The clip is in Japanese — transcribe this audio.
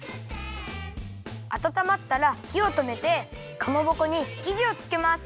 あたたまったらひをとめてかまぼこにきじをつけます。